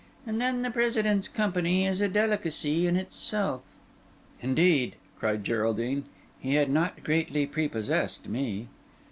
And then the President's company is a delicacy in itself." "Indeed!" cried Geraldine, "he had not greatly prepossessed me."